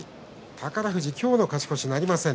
宝富士、今日の勝ち越しなりません